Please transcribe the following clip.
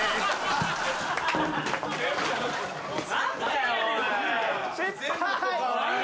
何だよおい。